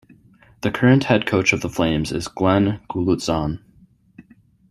The current head coach of the Flames is Glen Gulutzan.